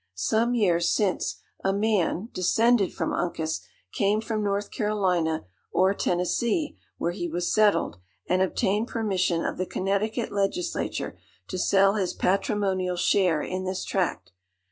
Some years since, a man, descended from Uncas, came from North Carolina, or Tennessee, where he was settled, and obtained permission of the Connecticut legislature to sell his patrimonial share in this tract.